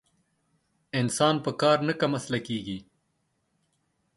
انسان په کار نه کم اصل کېږي.